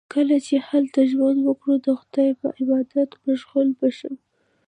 که چیرې هلته ژوند وکړم، د خدای په عبادت مشغوله به شم.